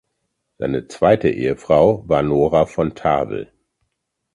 Seine zweite Ehefrau war Nora von Tavel.